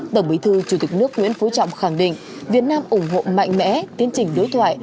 tổng bí thư chủ tịch nước nguyễn phú trọng khẳng định việt nam ủng hộ mạnh mẽ tiến trình đối thoại